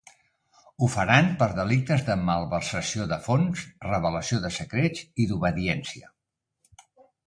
Ho faran per delictes de malversació de fons, revelació de secrets i d'obediència.